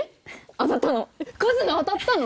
当たったの一菜当たったの！？